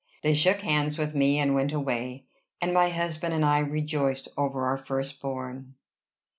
They shook hands with me, and went away. And my husband and I rejoiced over our first born.